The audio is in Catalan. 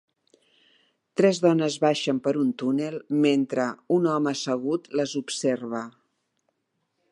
Tres dones baixen per un túnel mentre un home assegut les observa.